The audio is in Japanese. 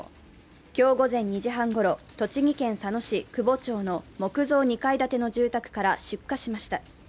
今日午前２時半ごろ、栃木県佐野市久保町の木造２階建ての住宅から出火しました。